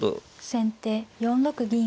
先手４六銀。